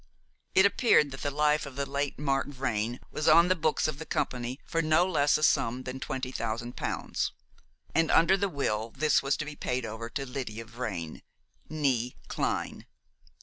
It appeared that the life of the late Mark Vrain was on the books of the company for no less a sum than twenty thousand pounds; and under the will this was to be paid over to Lydia Vrain, née Clyne.